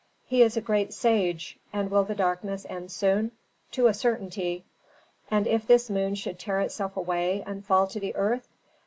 "He is a great sage! And will the darkness end soon?" "To a certainty." "And if this moon should tear itself away and fall to the earth?"